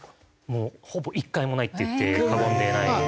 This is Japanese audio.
もうほぼ１回もないって言って過言でないですね。